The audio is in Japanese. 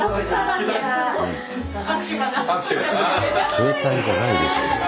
携帯じゃないでしょ。